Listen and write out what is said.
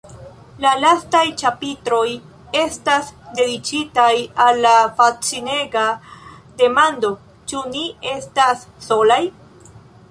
La lastaj ĉapitroj estas dediĉitaj al la fascinega demando: “Ĉu ni estas solaj?